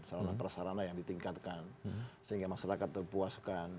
salah satu perasaran yang ditingkatkan sehingga masyarakat terpuaskan